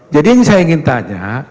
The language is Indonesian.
jadi yang saya ingin tanya